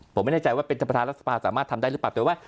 ผมไม่แน่ใจว่าเป็นประธานรัฐสภาสามารถทำได้หรือเปล่าแต่ว่า